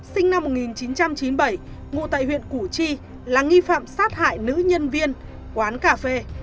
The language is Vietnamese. sinh năm một nghìn chín trăm chín mươi bảy ngụ tại huyện củ chi là nghi phạm sát hại nữ nhân viên quán cà phê